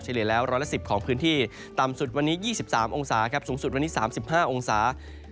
เลียแล้ว๑๑๐ของพื้นที่ต่ำสุดวันนี้๒๓องศาครับสูงสุดวันนี้๓๕องศา